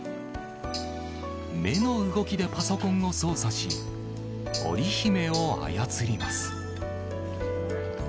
目の動きでパソコンを操作しオリヒメを操ります。